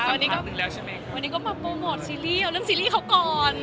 วันนี้ก็มาโปรโมทซีรีส์เอาเรื่องซีรีส์เขาก่อน